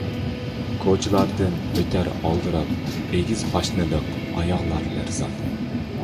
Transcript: كوچىلاردىن ئۆتەر ئالدىراپ ئېگىز پاشنىلىق ئاياغلار لەرزان.